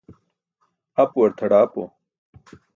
Aapuwar tʰaḍaapo.